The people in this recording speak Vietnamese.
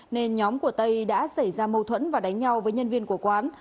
nên nhóm của tây đã xảy ra mâu thuẫn và đánh nhau với nhân viên của quán